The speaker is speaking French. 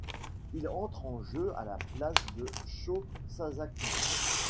Il entre en jeu à la place de Sho Sasaki.